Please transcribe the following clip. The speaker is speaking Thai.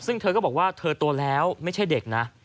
ซึ่งเธอก็บอกว่าเธอโตแล้วไม่ใช่เด็กนะ